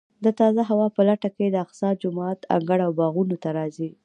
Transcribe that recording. د تازه هوا په لټه کې د اقصی جومات انګړ او باغونو ته راځي.